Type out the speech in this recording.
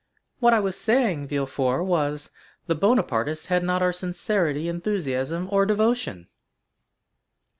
What I was saying, Villefort, was, that the Bonapartists had not our sincerity, enthusiasm, or devotion."